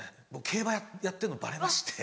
競馬やってんのバレまして。